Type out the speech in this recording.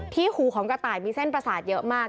หูของกระต่ายมีเส้นประสาทเยอะมาก